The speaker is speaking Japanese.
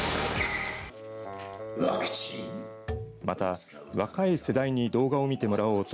また、若い世代に動画を見てもらおうと